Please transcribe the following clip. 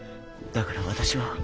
だから私は。